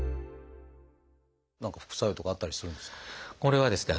何か副作用とかあったりするんですか？